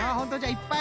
いっぱい。